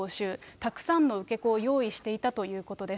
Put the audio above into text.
たくさんの受け子を用意していたということです。